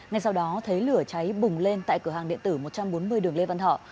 ngay sau đó thấy lửa cháy bùng lên tại cửa hàng điện tử một trăm bốn mươi đường lê văn thọ